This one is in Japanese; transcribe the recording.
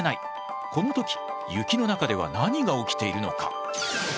この時雪の中では何が起きているのか？